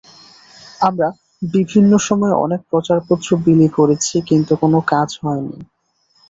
আমরা বিভিন্ন সময়ে অনেক প্রচারপত্র বিলি করেছি, কিন্তু কোনো কাজ হয়নি।